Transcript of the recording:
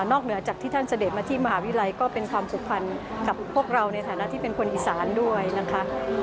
เหนือจากที่ท่านเสด็จมาที่มหาวิทยาลัยก็เป็นความผูกพันกับพวกเราในฐานะที่เป็นคนอีสานด้วยนะคะ